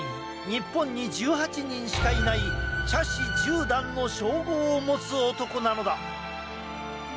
日本に１８人しかいない茶師十段の称号を持つ男なのだ。